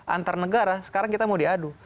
antar negara sekarang kita mau diadu